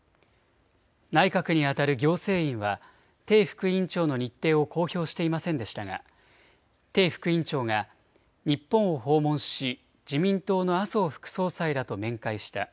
内閣にあたる行政院は鄭副院長の日程を公表していませんでしたが鄭副院長が日本を訪問し自民党の麻生副総裁らと面会した。